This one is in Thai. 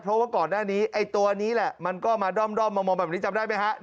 เพราะว่าก่อนหน้านี้ไอ้ตัวนี้แหละมันก็มาด้อมมองแบบนี้จำได้ไหมฮะ